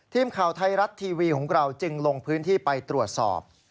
ทีมข่าวไทยรัฐทีวีของเราจึงลงพื้นที่ไปตรวจสอบ